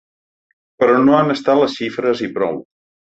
Però no han estat les xifres i prou.